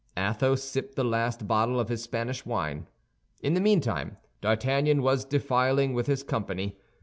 Athos sipped the last bottle of his Spanish wine. In the meantime D'Artagnan was defiling with his company.